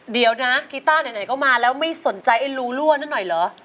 เดี๋ยวนะกีต้าไหนก็มาแล้วไม่สนใจไอ้รูรั่วนั่นหน่อยเหรอ